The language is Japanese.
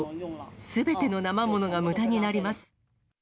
すべての生ものがむだになります。